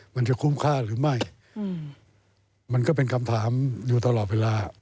มันจะคุ้มค่าหรือไม่มันก็เป็นคำถามอยู่ตลอดเวลา